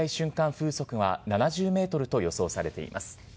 風速は７０メートルと予想されています。